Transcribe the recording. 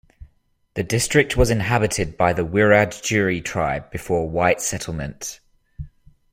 The district was inhabited by the Wiradjuri tribe before white settlement.